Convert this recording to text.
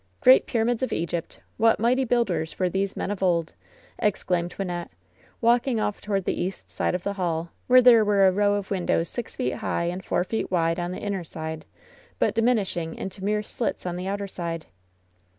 Great pyramids of Egypt, what mighty builders were these men of old!" exclaimed Wynnette, walking off toward the east side of the hall, where there were a row of windows six feet high and four feet wide on the inner side, but diminishing into mere slits on the outer side.